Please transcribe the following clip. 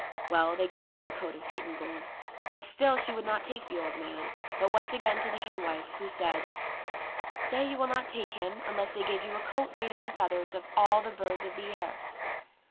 Well, they gave her a coat of beaten gold, i6s i66 ENGLISH FAIRY TALES but still she would not take the old man, but went again to the hen wife, who said, "Say you will not take him unless they give you a coat made of the feathers of all the birds of the air."